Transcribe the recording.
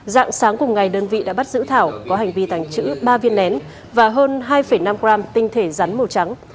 dạng sáng cùng ngày đơn vị đã bắt giữ thảo có hành vi tàng trữ ba viên nén và hơn hai năm gram tinh thể rắn màu trắng